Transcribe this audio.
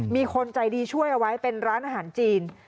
มีคนใจดีช่วยเอาไว้เป็นร้านอาหารจีน